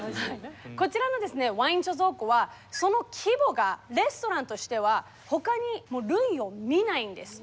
こちらのワイン貯蔵庫はその規模がレストランとしてはほかに類を見ないんです。